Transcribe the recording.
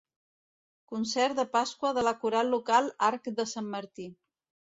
Concert de Pasqua de la Coral local Arc de Sant Martí.